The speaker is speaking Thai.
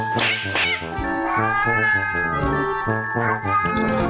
สวัสดีครับ